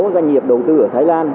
doanh nghiệp đầu tư ở thái lan